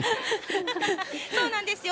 そうなんですよ。